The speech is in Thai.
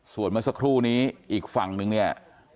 ส่วนเมื่อสักครู่นี้อีกฝั่งนึงเนี่ย